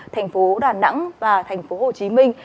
thành phố đà nẵng và thành phố hồ chí minh